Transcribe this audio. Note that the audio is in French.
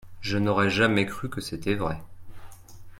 Je n'aurais jamais cru que c'était vrai.